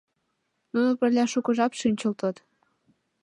Нуно пырля шуко жап шинчылтыч.